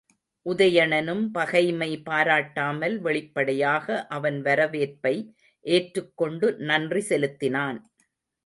உதயணனும் பகைமை பாராட்டாமல் வெளிப்படையாக அவன் வரவேற்பை ஏற்றுக்கொண்டு நன்றி செலுத்தினான்.